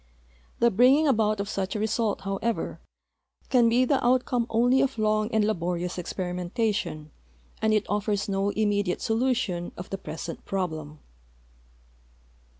The bringing about of such a result, how ever, can be the outcome only of long and laborious experimen tation and it offers no immediate solution of the present })roblem.